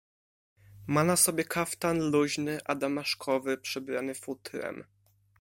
"Ma na sobie kaftan luźny adamaszkowy, przybrany futrem."